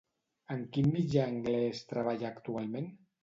En quin mitjà anglès treballa actualment?